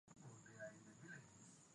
mi nashangaa